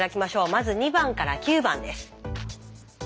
まず２番から９番です。